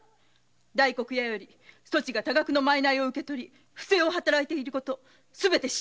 大黒屋よりそちが多額のワイロを受け取り不正を働いている事すべて知っておる。